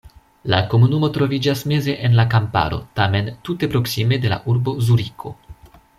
La komunumo troviĝas meze en la kamparo, tamen tute proksime de la urbo Zuriko.